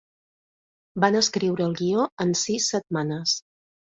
Van escriure el guió en sis setmanes.